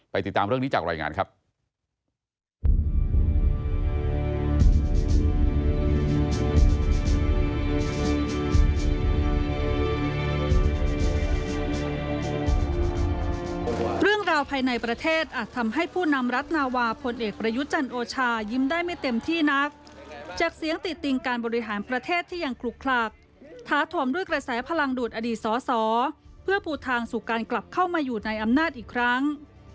ติดตามเรื่องนี้จากรายงานครับ